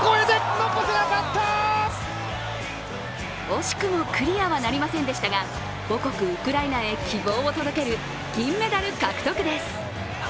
惜しくもクリアはなりませんでしたが、母国ウクライナへ希望を届ける銀メダル獲得です。